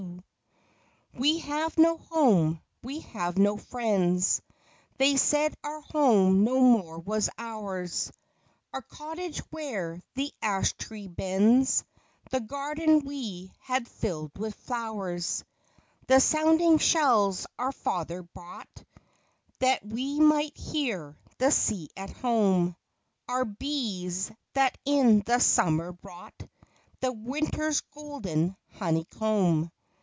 PRECIOUS TRUTHS. 201 We have no home — we have no friends; They said our home no more was ours — Our cottage where the ash tree bends, The garden we had fill'd with flowers; The sounding shells our father brought, That we might hear the sea at home ; Our bees, that in the summer wrought The winter's golden honeycomb.